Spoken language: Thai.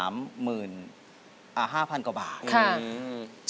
เพื่อจะไปชิงรางวัลเงินล้าน